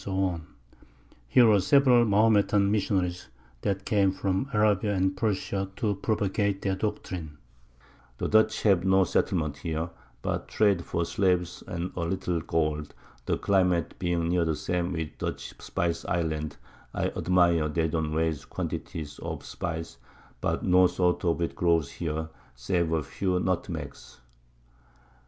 _ Here were several Mahometan Missionaries that came from Arabia and Persia to propagate their Doctrine; the Dutch have no Settlement here, but trade for Slaves and a little Gold, the Climate being near the same with the Dutch Spice Islands, I admire, they don't raise Quantities of Spice, but no Sort of it grows here, save a few Nutmegs.